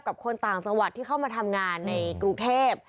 กับคนต่างสวรรค์ที่เข้ามาทำงานในกรุงเทพฯ